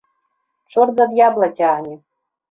Чорт за д'ябла цягне.